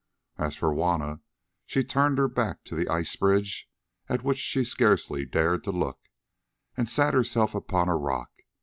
As for Juanna, she turned her back to the ice bridge, at which she scarcely dared to look, and sat herself upon a rock.